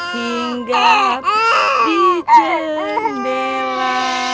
hingga di jendela